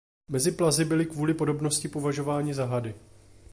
Mezi plazy byli kvůli podobnosti považováni za hady.